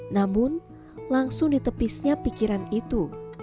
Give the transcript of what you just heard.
namun langsung ditepisnya pikiran itu